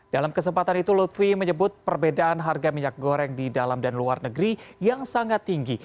dalam kesempatan itu lutfi menyebut perbedaan harga minyak goreng di dalam dan luar negeri yang sangat tinggi